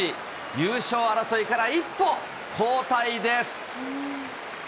優勝争いから一歩後退です。